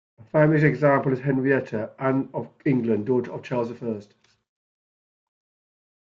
A famous example is Henrietta Anne of England, daughter of Charles the First.